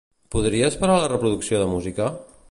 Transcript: Podries parar la reproducció de música?